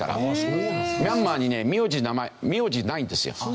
ミャンマーにね名字名前名字ないんですよ。